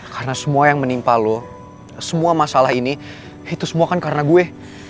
karena semua yang menimpa lo semua masalah ini itu semua kan karena gue